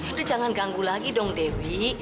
udah jangan ganggu lagi dong dewi